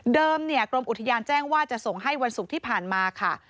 กรมอุทยานแจ้งว่าจะส่งให้วันศุกร์ที่ผ่านมาค่ะ